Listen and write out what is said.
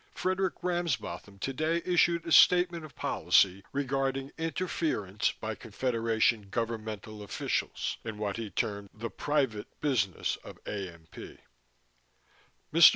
Frederick Ramsbotham today issued a statement of policy regarding "interference by Confederation governmental officials" in what he termed the "private business of AMP." Mr.